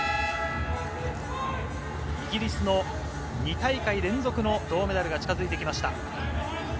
イギリスの２大会連続の銅メダルが近づいてきました。